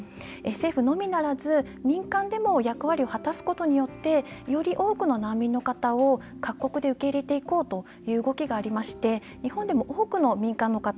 政府のみならず民間でも役割を果たすことによってより多くの難民の方を各国で受け入れていこうという動きがありまして日本でも多くの民間の方